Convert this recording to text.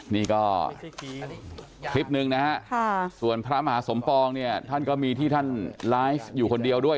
นี่ก็คลิปหนึ่งนะฮะส่วนพระมหาสมปองเนี่ยท่านก็มีที่ท่านไลฟ์อยู่คนเดียวด้วย